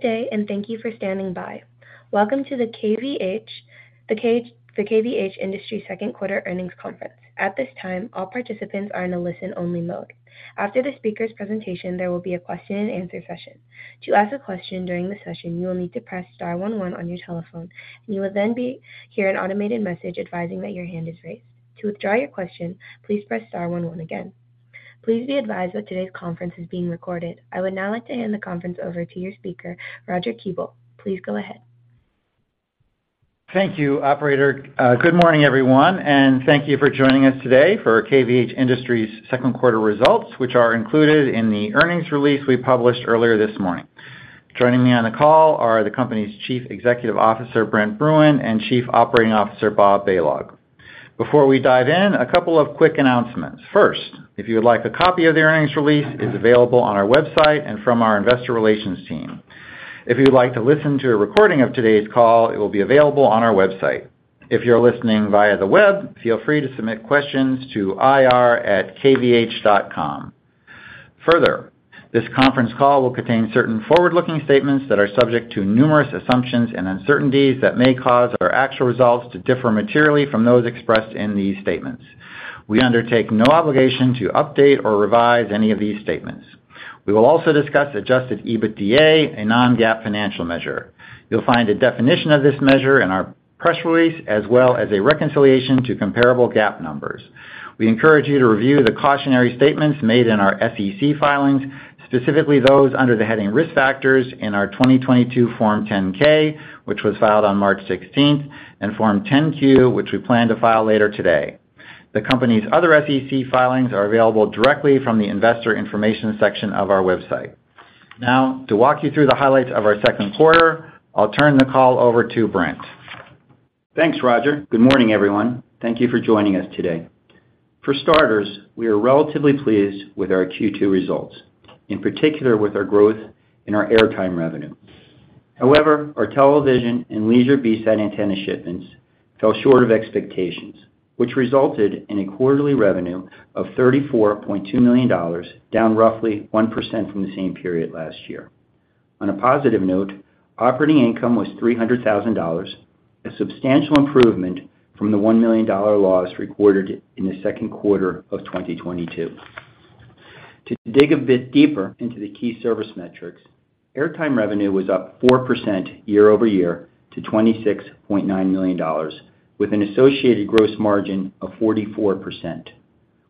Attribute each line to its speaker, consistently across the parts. Speaker 1: Good day, and thank you for standing by. Welcome to the KVH, the KVH Industries second quarter earnings conference. At this time, all participants are in a listen-only mode. After the speaker's presentation, there will be a question and answer session. To ask a question during the session, you will need to press star one one on your telephone, and you will then be hear an automated message advising that your hand is raised. To withdraw your question, please press star one one again. Please be advised that today's conference is being recorded. I would now like to hand the conference over to your speaker, Roger Kuebel. Please go ahead.
Speaker 2: Thank you, operator. Good morning, everyone, and thank you for joining us today for KVH Industries' second quarter results, which are included in the earnings release we published earlier this morning. Joining me on the call are the company's Chief Executive Officer, Brent Bruun, and Chief Operating Officer, Bob Balog. Before we dive in, a couple of quick announcements. First, if you would like a copy of the earnings release, it's available on our website and from our investor relations team. If you'd like to listen to a recording of today's call, it will be available on our website. If you're listening via the web, feel free to submit questions to ir@kvh.com. Further, this conference call will contain certain forward-looking statements that are subject to numerous assumptions and uncertainties that may cause our actual results to differ materially from those expressed in these statements. We undertake no obligation to update or revise any of these statements. We will also discuss Adjusted EBITDA, a non-GAAP financial measure. You'll find a definition of this measure in our press release, as well as a reconciliation to comparable GAAP numbers. We encourage you to review the cautionary statements made in our SEC filings, specifically those under the heading Risk Factors in our 2022 Form 10-K, which was filed on March 16th, and Form 10-Q, which we plan to file later today. The company's other SEC filings are available directly from the Investor Information section of our website. To walk you through the highlights of our second quarter, I'll turn the call over to Brent.
Speaker 3: Thanks, Roger. Good morning, everyone. Thank you for joining us today. For starters, we are relatively pleased with our Q2 results, in particular with our growth in our airtime revenue. However, our television and leisure VSAT antenna shipments fell short of expectations, which resulted in a quarterly revenue of $34.2 million, down roughly 1% from the same period last year. On a positive note, operating income was $300,000, a substantial improvement from the $1 million loss recorded in the second quarter of 2022. To dig a bit deeper into the key service metrics, airtime revenue was up 4% year-over-year to $26.9 million, with an associated gross margin of 44%.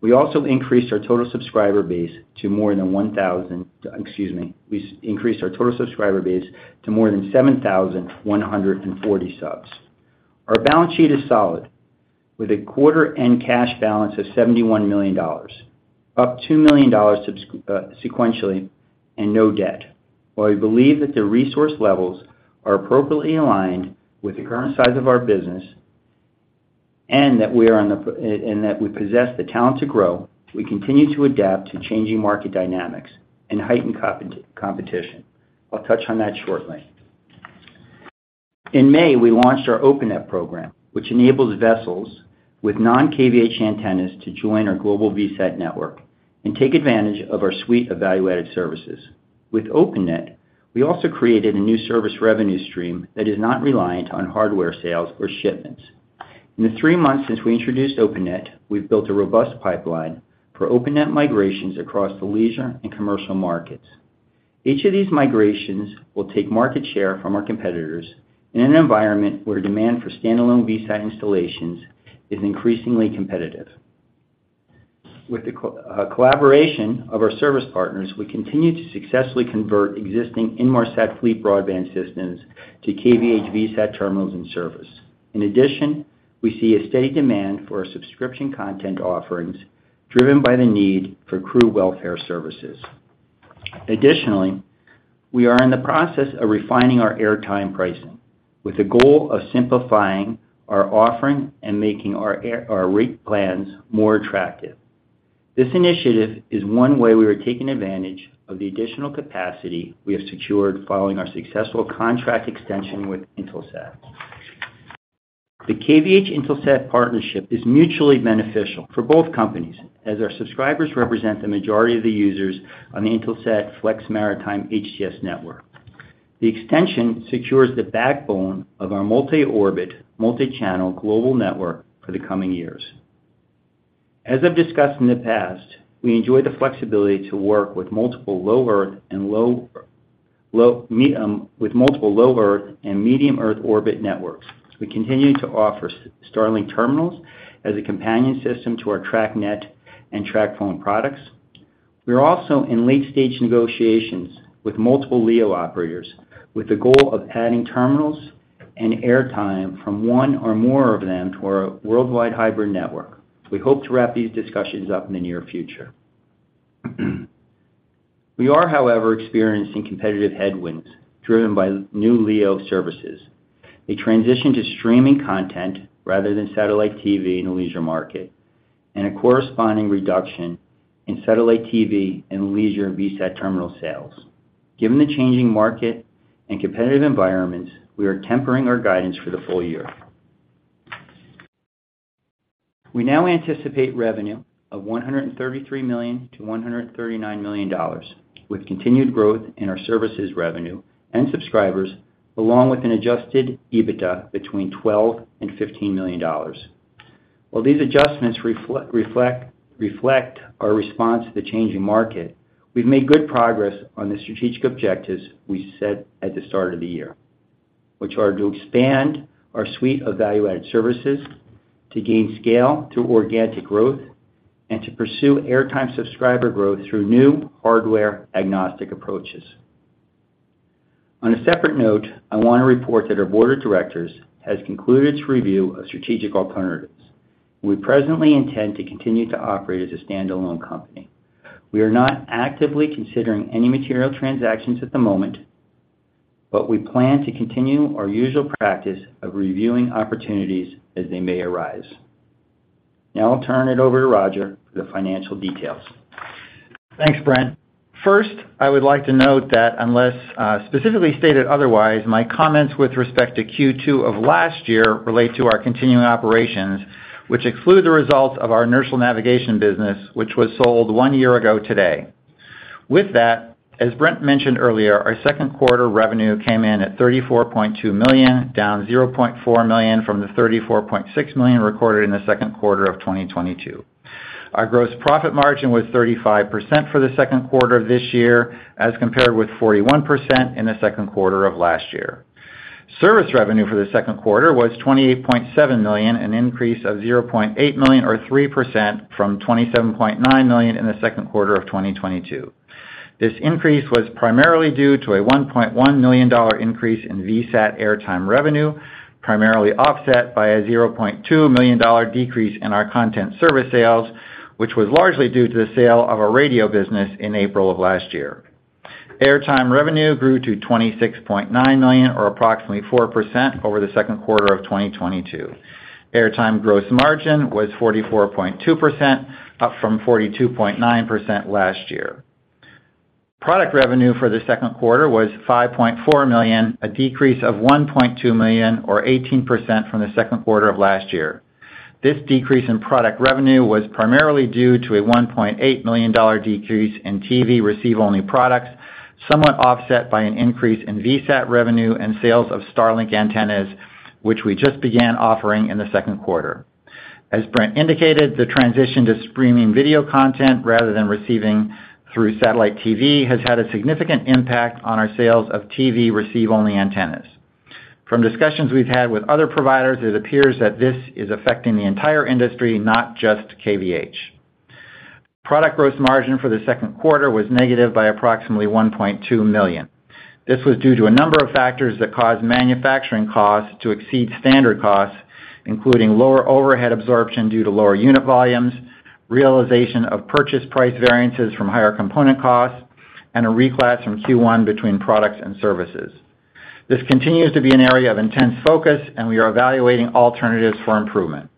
Speaker 3: We also increased our total subscriber base to more than 7,140 subs. Our balance sheet is solid, with a quarter end cash balance of $71 million, up $2 million sequentially, and no debt. While we believe that the resource levels are appropriately aligned with the current size of our business, and that we are on the and that we possess the talent to grow, we continue to adapt to changing market dynamics and heightened competition. I'll touch on that shortly. In May, we launched our OpenNet program, which enables vessels with non-KVH antennas to join our global VSAT network and take advantage of our suite of value-added services. With OpenNet, we also created a new service revenue stream that is not reliant on hardware sales or shipments. In the three months since we introduced OpenNet, we've built a robust pipeline for OpenNet migrations across the leisure and commercial markets. Each of these migrations will take market share from our competitors in an environment where demand for standalone VSAT installations is increasingly competitive. With the collaboration of our service partners, we continue to successfully convert existing Inmarsat FleetBroadband systems to KVH VSAT terminals and service. In addition, we see a steady demand for our subscription content offerings, driven by the need for crew welfare services. Additionally, we are in the process of refining our airtime pricing with the goal of simplifying our offering and making our rate plans more attractive. This initiative is one way we are taking advantage of the additional capacity we have secured following our successful contract extension with Intelsat. The KVH-Intelsat partnership is mutually beneficial for both companies, as our subscribers represent the majority of the users on the Intelsat FlexMaritime HTS network. The extension secures the backbone of our multi-orbit, multi-channel global network for the coming years. As I've discussed in the past, we enjoy the flexibility to work with multiple low-earth and medium-earth orbit networks. We continue to offer Starlink terminals as a companion system to our TracNet and TracPhone products. We are also in late-stage negotiations with multiple LEO operators, with the goal of adding terminals and airtime from one or more of them to our worldwide hybrid network. We hope to wrap these discussions up in the near future. We are, however, experiencing competitive headwinds driven by new LEO services, a transition to streaming content rather than satellite TV in the leisure market, and a corresponding reduction in satellite TV and leisure VSAT terminal sales. Given the changing market and competitive environments, we are tempering our guidance for the full year. We now anticipate revenue of $133 million-$139 million, with continued growth in our services revenue and subscribers, along with an Adjusted EBITDA between $12 million and $15 million. While these adjustments reflect, reflect our response to the changing market, we've made good progress on the strategic objectives we set at the start of the year, which are to expand our suite of value-added services, to gain scale through organic growth, and to pursue airtime subscriber growth through new hardware-agnostic approaches. On a separate note, I want to report that our board of directors has concluded its review of strategic alternatives. We presently intend to continue to operate as a standalone company. We are not actively considering any material transactions at the moment, but we plan to continue our usual practice of reviewing opportunities as they may arise. I'll turn it over to Roger for the financial details.
Speaker 2: Thanks, Brent. First, I would like to note that unless specifically stated otherwise, my comments with respect to Q2 of last year relate to our continuing operations, which exclude the results of our inertial navigation business, which was sold one year ago today. With that, as Brent mentioned earlier, our second quarter revenue came in at $34.2 million, down $0.4 million from the $34.6 million recorded in the second quarter of 2022. Our gross profit margin was 35% for the second quarter of this year, as compared with 41% in the second quarter of last year. Service revenue for the second quarter was $28.7 million, an increase of $0.8 million or 3% from $27.9 million in the second quarter of 2022. This increase was primarily due to a $1.1 million increase in VSAT airtime revenue, primarily offset by a $0.2 million decrease in our content service sales, which was largely due to the sale of our radio business in April of last year. Airtime revenue grew to $26.9 million, or approximately 4% over the second quarter of 2022. Airtime gross margin was 44.2%, up from 42.9% last year. Product revenue for the second quarter was $5.4 million, a decrease of $1.2 million or 18% from the second quarter of last year. This decrease in product revenue was primarily due to a $1.8 million decrease in TV receive-only products, somewhat offset by an increase in VSAT revenue and sales of Starlink antennas, which we just began offering in the second quarter. As Brent indicated, the transition to streaming video content rather than receiving through satellite TV has had a significant impact on our sales of TV receive-only antennas. From discussions we've had with other providers, it appears that this is affecting the entire industry, not just KVH. Product gross margin for the second quarter was negative by approximately $1.2 million. This was due to a number of factors that caused manufacturing costs to exceed standard costs, including lower overhead absorption due to lower unit volumes, realization of purchase price variances from higher component costs, and a reclass from Q1 between products and services. This continues to be an area of intense focus, and we are evaluating alternatives for improvement.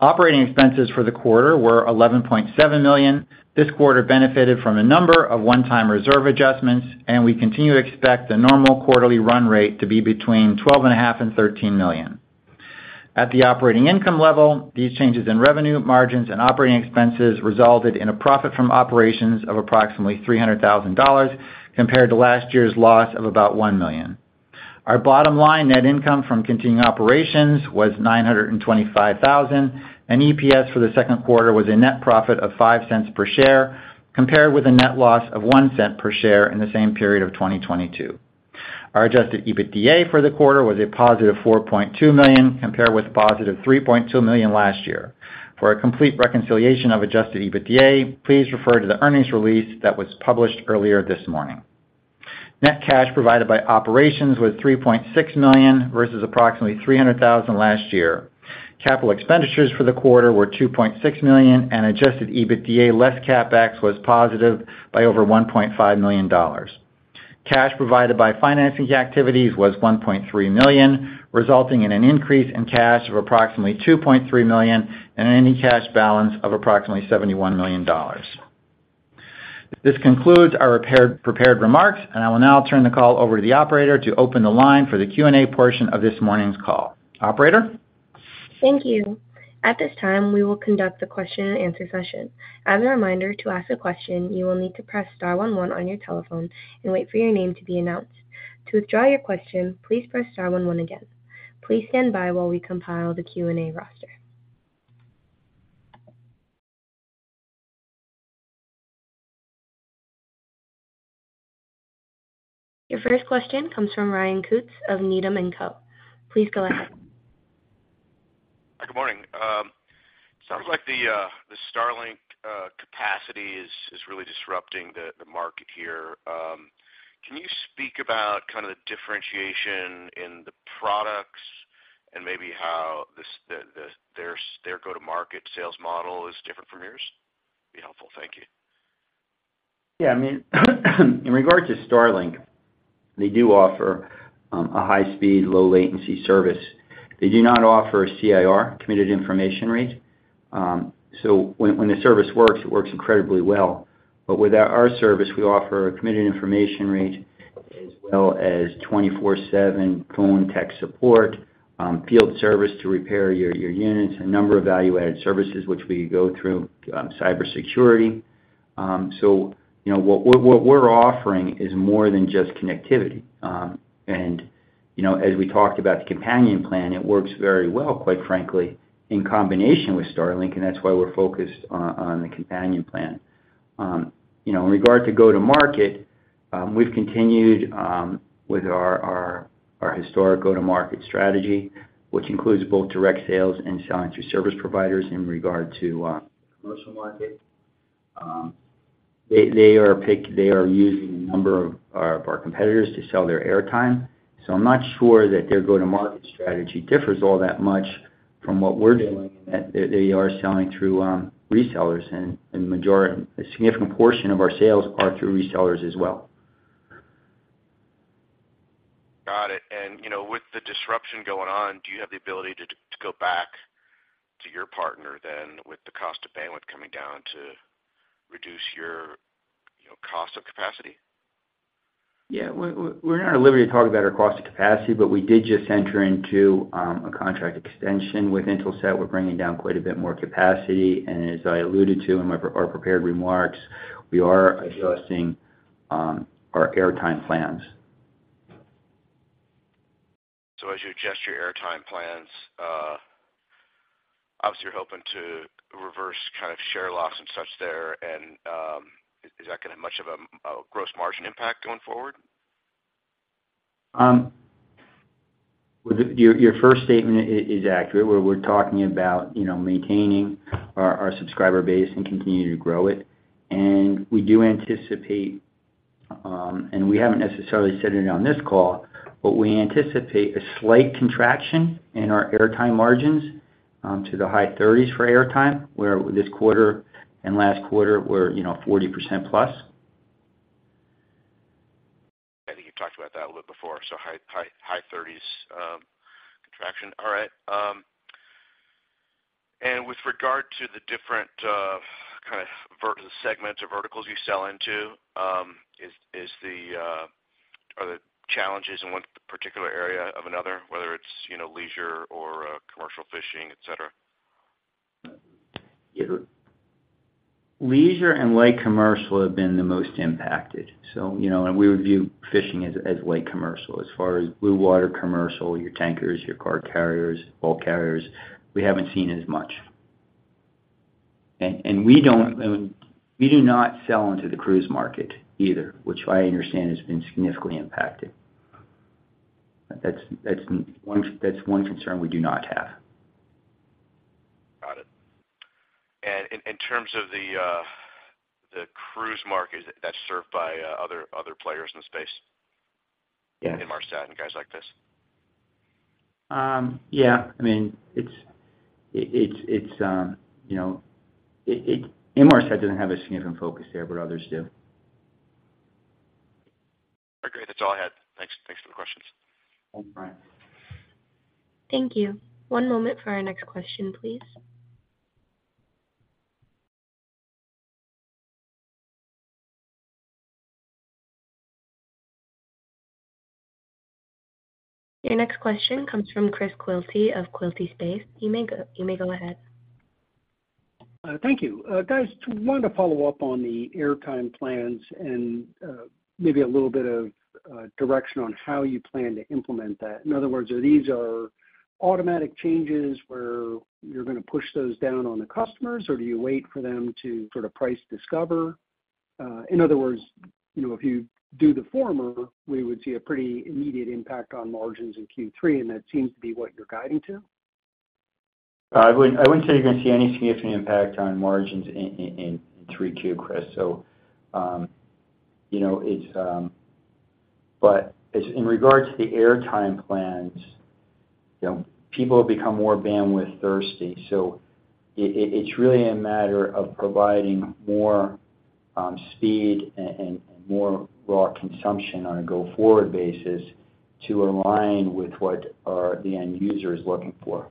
Speaker 2: Operating expenses for the quarter were $11.7 million. This quarter benefited from a number of one-time reserve adjustments, and we continue to expect the normal quarterly run rate to be between $12.5 million and $13 million. At the operating income level, these changes in revenue, margins, and operating expenses resulted in a profit from operations of approximately $300,000, compared to last year's loss of about $1 million. Our bottom line net income from continuing operations was $925,000, and EPS for the second quarter was a net profit of $0.05 per share, compared with a net loss of $0.01 per share in the same period of 2022. Our Adjusted EBITDA for the quarter was a positive $4.2 million, compared with positive $3.2 million last year. For a complete reconciliation of Adjusted EBITDA, please refer to the earnings release that was published earlier this morning. Net cash provided by operations was $3.6 million versus approximately $300,000 last year. Capital expenditures for the quarter were $2.6 million. Adjusted EBITDA less CapEx was positive by over $1.5 million. Cash provided by financing activities was $1.3 million, resulting in an increase in cash of approximately $2.3 million and an ending cash balance of approximately $71 million. This concludes our prepared remarks. I will now turn the call over to the operator to open the line for the Q&A portion of this morning's call. Operator?
Speaker 1: Thank you. At this time, we will conduct the question and answer session. As a reminder, to ask a question, you will need to press star one one on your telephone and wait for your name to be announced. To withdraw your question, please press star one one again. Please stand by while we compile the Q&A roster. Your first question comes from Ryan Koontz of Needham & Company. Please go ahead.
Speaker 4: Good morning. Sounds like the Starlink capacity is really disrupting the market here. Can you speak about kind of the differentiation in the products and maybe how this, their go-to-market sales model is different from yours? Be helpful. Thank you.
Speaker 3: Yeah, I mean, in regards to Starlink, they do offer a high-speed, low-latency service. They do not offer a CIR, Committed Information Rate. When the service works, it works incredibly well. But with our service, we offer a Committed Information Rate as well as 24/7 phone tech support, field service to repair your units, a number of value-added services which we go through, cybersecurity. You know, what we're offering is more than just connectivity. You know, as we talked about the companion plan, it works very well, quite frankly, in combination with Starlink, and that's why we're focused on the companion plan. You know, in regard to go-to-market, we've continued with our, our, our historic go-to-market strategy, which includes both direct sales and selling through service providers in regard to commercial market. They, they are using a number of our, of our competitors to sell their airtime, so I'm not sure that their go-to-market strategy differs all that much from what we're doing, in that they, they are selling through resellers, a significant portion of our sales are through resellers as well.
Speaker 4: Got it. You know, with the disruption going on, do you have the ability to go back to your partner then, with the cost of bandwidth coming down, to reduce your, you know, cost of capacity?
Speaker 3: Yeah, we're not at liberty to talk about our cost of capacity. We did just enter into a contract extension with Intelsat. We're bringing down quite a bit more capacity. As I alluded to in our prepared remarks, we are adjusting our airtime plans.
Speaker 4: As you adjust your airtime plans, obviously you're hoping to reverse kind of share loss and such there, and, is that gonna much of a, a gross margin impact going forward?
Speaker 3: Your first statement is accurate. Where we're talking about, you know, maintaining our subscriber base and continuing to grow it. We do anticipate, and we haven't necessarily said it on this call, but we anticipate a slight contraction in our airtime margins to the high 30s for airtime, where this quarter and last quarter were, you know, 40%+.
Speaker 4: I think you've talked about that a little bit before, so high, high, high 30s, contraction. All right. With regard to the different, kind of vert- segments or verticals you sell into, Are the challenges in one particular area of another, whether it's, you know, leisure or, commercial fishing, etc?
Speaker 3: Yeah. Leisure and light commercial have been the most impacted. You know, and we would view fishing as, as light commercial. We don't, and we do not sell into the cruise market either, which I understand has been significantly impacted. That's, that's one, that's one concern we do not have.
Speaker 4: Got it. In, in terms of the cruise market that's served by other, other players in the space.
Speaker 3: Yes.
Speaker 4: Inmarsat and guys like this?
Speaker 3: Yeah. I mean, it's, you know, it, Inmarsat doesn't have a significant focus there, but others do.
Speaker 4: Okay, great. That's all I had. Thanks. Thanks for taking the questions.
Speaker 3: Thanks, Brent Bruun.
Speaker 1: Thank you. One moment for our next question, please. Your next question comes from Chris Quilty of Quilty Space. You may go ahead.
Speaker 5: Thank you. Guys, wanted to follow up on the airtime plans and maybe a little bit of direction on how you plan to implement that. In other words, are these are automatic changes where you're gonna push those down on the customers, or do you wait for them to sort of price discover? In other words, you know, if you do the former, we would see a pretty immediate impact on margins in Q3, and that seems to be what you're guiding to.
Speaker 3: I wouldn't say you're gonna see any significant impact on margins in 3Q, Chris. You know, it's, but as in regards to the airtime plans, you know, people have become more bandwidth thirsty, so it's really a matter of providing more speed and more raw consumption on a go-forward basis to align with what the end user is looking for.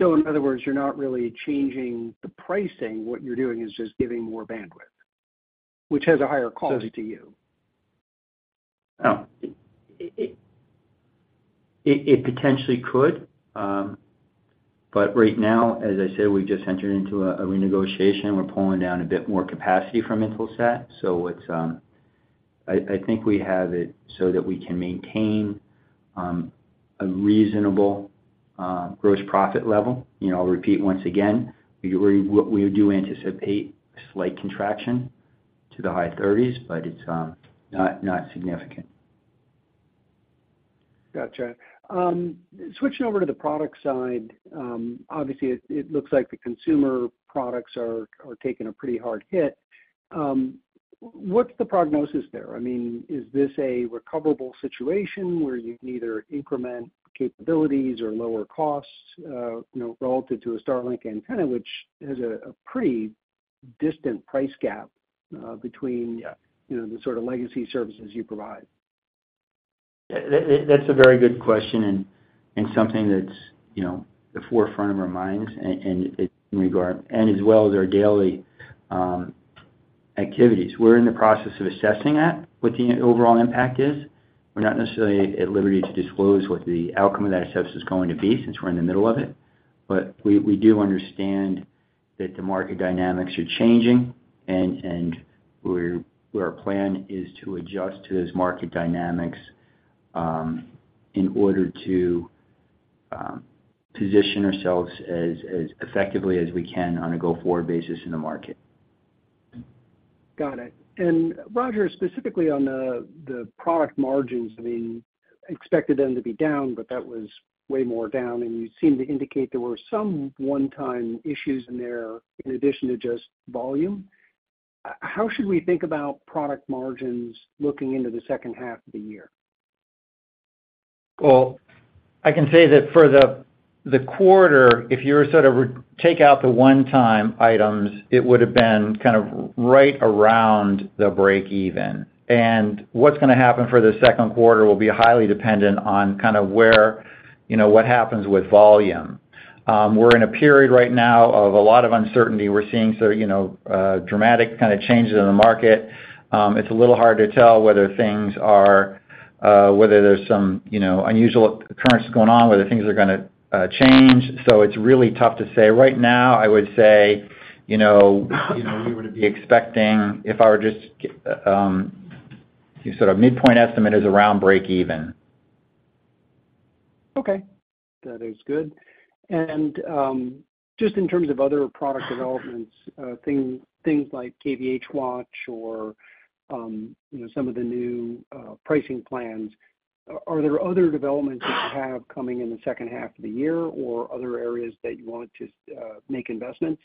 Speaker 5: In other words, you're not really changing the pricing. What you're doing is just giving more bandwidth? Which has a higher cost to you?
Speaker 3: Well, it potentially could, but right now, as I said, we've just entered into a renegotiation. We're pulling down a bit more capacity from Intelsat, so it's, I think we have it so that we can maintain a reasonable gross profit level. You know, I'll repeat once again, we do anticipate a slight contraction to the high 30s, but it's not, not significant.
Speaker 5: Gotcha. Switching over to the product side, obviously, it, it looks like the consumer products are taking a pretty hard hit. What's the prognosis there? I mean, is this a recoverable situation where you can either increment capabilities or lower costs, you know, relative to a Starlink antenna, which has a pretty distant price gap, between, you know, the sort of legacy services you provide?
Speaker 3: That, that's a very good question and something that's, you know, the forefront of our minds, and in regard, and as well as our daily activities. We're in the process of assessing that, what the overall impact is. We're not necessarily at liberty to disclose what the outcome of that assessment is going to be, since we're in the middle of it. We, we do understand that the market dynamics are changing, and our plan is to adjust to those market dynamics in order to position ourselves as effectively as we can on a go-forward basis in the market.
Speaker 5: Got it. Roger, specifically on the, the product margins, I mean, expected them to be down, but that was way more down, and you seemed to indicate there were some one-time issues in there, in addition to just volume. How should we think about product margins looking into the second half of the year?
Speaker 2: Well, I can say that for the, the quarter, if you were sort of take out the one-time items, it would have been kind of right around the break-even. What's gonna happen for the second quarter will be highly dependent on kind of where, you know, what happens with volume. We're in a period right now of a lot of uncertainty. We're seeing sort of, you know, dramatic kind of changes in the market. It's a little hard to tell whether things are, whether there's some, you know, unusual occurrence going on, whether things are gonna change. It's really tough to say. Right now, I would say, you know, you know, we were to be expecting if I were just, sort of midpoint estimate is around break-even.
Speaker 5: Okay, that is good. Just in terms of other product developments, things like KVH Watch or, you know, some of the new pricing plans, are there other developments that you have coming in the second half of the year or other areas that you want to make investments?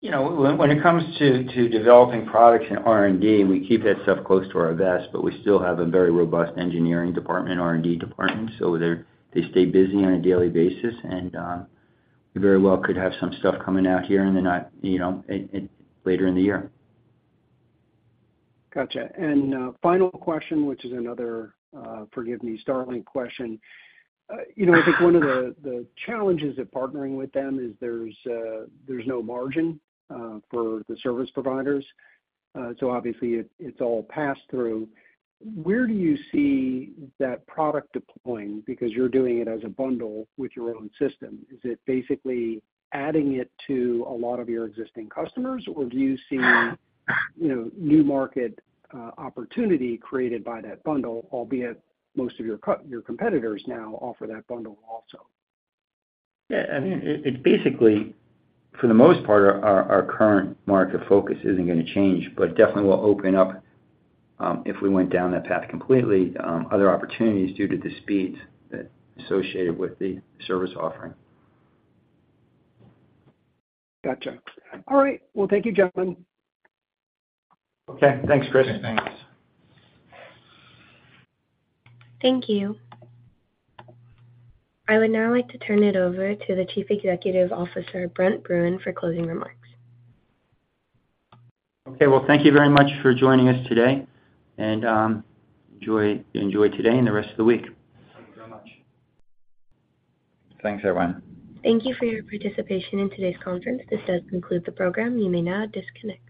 Speaker 3: You know, when it comes to developing products and R&D, we keep that stuff close to our vest, but we still have a very robust engineering department, R&D department, so they're, they stay busy on a daily basis, and, we very well could have some stuff coming out here in the not, you know, later in the year.
Speaker 5: Gotcha. Final question, which is another, forgive me, Starlink question. You know, I think one of the, the challenges of partnering with them is there's a, there's no margin for the service providers. Obviously, it, it's all passed through. Where do you see that product deploying? Because you're doing it as a bundle with your own system. Is it basically adding it to a lot of your existing customers, or do you see, you know, new market opportunity created by that bundle, albeit most of your competitors now offer that bundle also?
Speaker 3: Yeah, I mean, it basically, for the most part our current market focus isn't gonna change, but definitely will open up if we went down that path completely, other opportunities due to the speeds that associated with the service offering.
Speaker 5: Gotcha. All right. Well, thank you, gentlemen.
Speaker 3: Okay. Thanks, Chris.
Speaker 5: Thanks.
Speaker 1: Thank you. I would now like to turn it over to the Chief Executive Officer, Brent Bruun, for closing remarks.
Speaker 3: Okay. Well, thank you very much for joining us today, and enjoy today and the rest of the week.
Speaker 2: Thanks, everyone.
Speaker 1: Thank you for your participation in today's conference. This does conclude the program. You may now disconnect.